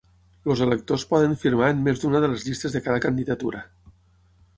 Els electors poden firmar en més d'una de les llistes de cada candidatura.